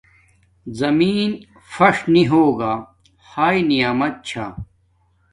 زمین فش نی ہوگا ہاݵ نعمیت چھا